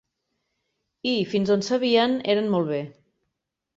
I, fins on sabien, eren molt bé.